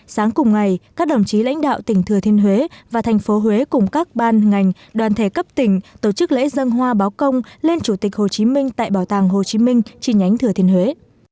sáng cùng ngày các đồng chí lãnh đạo tỉnh thừa thiên huế và thành phố huế cùng các ban ngành đoàn thể cấp tỉnh tổ chức lễ dân hoa báo công lên chủ tịch hồ chí minh tại bảo tàng hồ chí minh chi nhánh thừa thiên huế